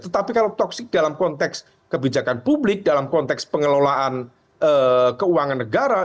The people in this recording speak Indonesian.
tetapi kalau toksik dalam konteks kebijakan publik dalam konteks pengelolaan keuangan negara